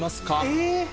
えっ？